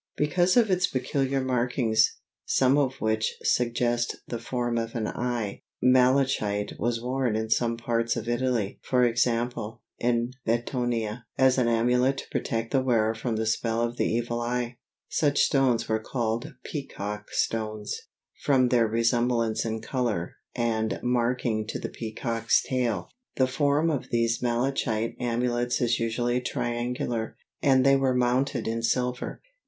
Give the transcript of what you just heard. Because of its peculiar markings, some of which suggest the form of an eye, malachite was worn in some parts of Italy (e.g., in Bettona) as an amulet to protect the wearer from the spell of the Evil Eye. Such stones were called "peacock stones," from their resemblance in color and marking to the peacock's tail. The form of these malachite amulets is usually triangular, and they were mounted in silver.